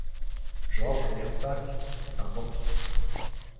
Georges Merzbach est un banquier.